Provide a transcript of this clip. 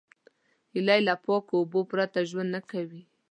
هیلۍ له پاکو اوبو پرته ژوند نه کوي